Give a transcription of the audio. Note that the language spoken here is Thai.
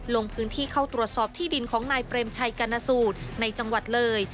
ลงพื้นที่เข้าตรวจสอบที่ดินของนายเปรมชัยกรณสูตรในจังหวัดเลย